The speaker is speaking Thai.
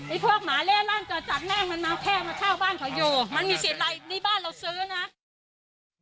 ไอ้พวกหมาเล่นล่างจัดแม่งมันมาแค่มาเช่าบ้านเขาอยู่มันมีสิทธิ์ไรนี่บ้านเราซื้อนะ